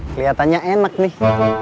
keliatannya enak nih